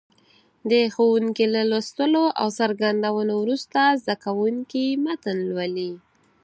د ښوونکي له لوستلو او څرګندونو وروسته زده کوونکي متن ولولي.